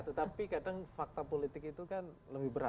tetapi kadang fakta politik itu kan lebih berat